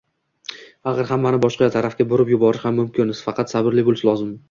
Axir hammasini boshqa tarafga burib yuborish ham mumkin, faqat sabrli bo‘lish lozim.